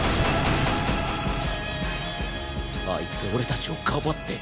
あいつ俺たちをかばって。